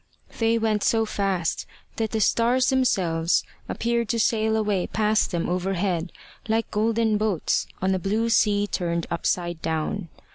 They went so fast that the stars themselves appeared to sail away past them overhead, "like golden boats," on a blue sea turned upside down.